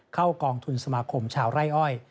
กองทุนสมาคมชาวไร่อ้อย